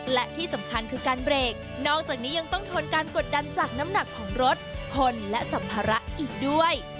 และที่สำคัญคือการเบรกนอกจากนี้ยังต้องทนการกดดันจากน้ำหนักของรถคนและสัมภาระอีกด้วย